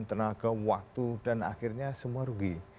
tenaga waktu dan akhirnya semua rugi